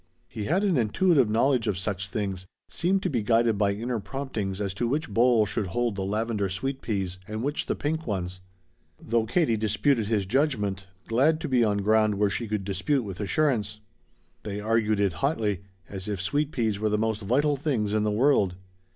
He had an intuitive knowledge of such things, seemed to be guided by inner promptings as to which bowl should hold the lavender sweet peas and which the pink ones. Though Katie disputed his judgment, glad to be on ground where she could dispute with assurance. They argued it hotly, as if sweet peas were the most vital things in the world.